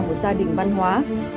nhiều gia đình văn hóa tạo nên